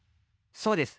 そうです。